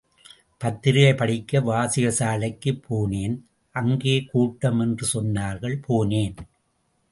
பத்திரிகை படிக்க வாசகசாலைக்குப் போனேன், அங்கே கூட்டம் என்று சொன்னார்கள், போனேன்.